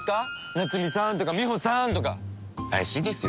夏美さんとかみほさんとか怪しいですよ。